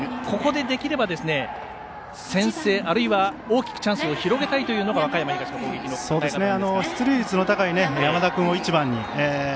ここでできれば先制あるいは大きくチャンスを広げたいというのが和歌山東の攻撃の考え方です。